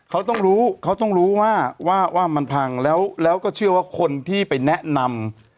เขาต้องรู้เขาต้องรู้ว่าว่ามันพังแล้วแล้วก็เชื่อว่าคนที่ไปแนะนำ